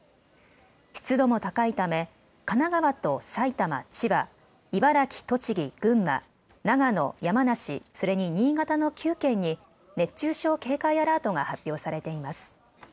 湿度も高いため神奈川と埼玉、千葉、茨城、栃木、群馬、長野、山梨、それに新潟の９県に熱中症警戒アラートが発表されています。